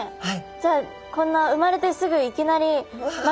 じゃあこんな産まれてすぐいきなり巻きつくこと。